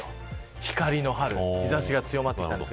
光の春日差しが強まってきました。